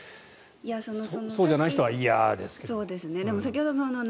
そうじゃない人はいやーですけど。